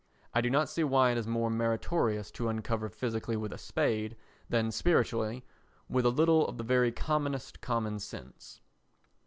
I do not see why it is more meritorious to uncover physically with a spade than spiritually with a little of the very commonest common sense.